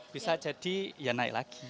bisa jadi ya naik lagi